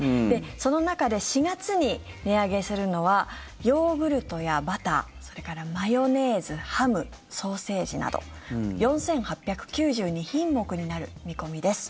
その中で４月に値上げするのはヨーグルトやバターそれからマヨネーズ、ハムソーセージなど４８９２品目になる見込みです。